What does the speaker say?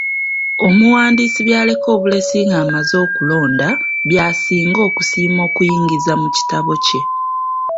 Omuwandiisi by'aleka obulesi ng'amaze okulonda by'asinga okusiima okuyingiza mu kitabo kye.